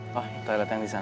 wah toilet yang disana aja